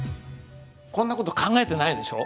こんな事考えてないでしょ？